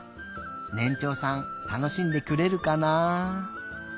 ねんちょうさんたのしんでくれるかな。